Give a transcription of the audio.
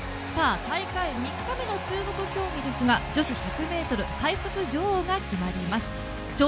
３日目ですが女子１００ｍ最速女王が決まります。